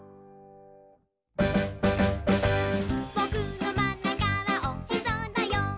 「ぼくのまんなかはおへそだよ」